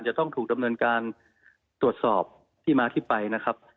จะต้องถูกดำเนินการตรวจสอบที่มาที่ไปนะครับ